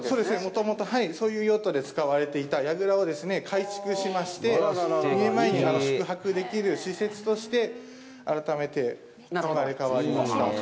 もともとそういう用途で使われていた櫓を改築しまして、２年前に宿泊できる施設として改めて生まれ変わりました。